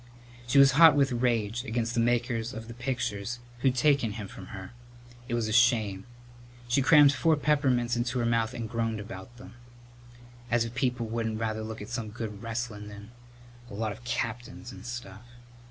She was hot with rage against the makers of pictures who'd taken him from her. It was a shame. She crammed four peppermints into her mouth and groaned about them, "As if people wouldn't rather look at some good wrestlin' than a lot of captains and stuff!"